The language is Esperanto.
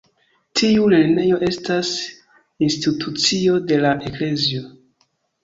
Tiu lernejo estas institucio de la eklezio.